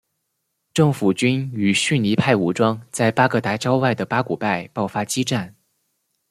政府军与逊尼派武装在巴格达郊外的巴古拜爆发激战。